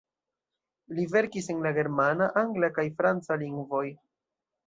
Li verkis en la germana, angla kaj franca lingvoj.